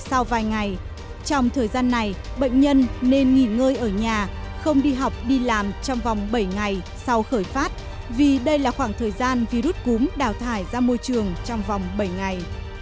sau vài ngày trong thời gian này bệnh nhân nên nghỉ ngơi ở nhà không đi học đi làm trong vòng bảy ngày sau khởi phát vì đây là khoảng thời gian virus cúm đào thải ra môi trường trong vòng bảy ngày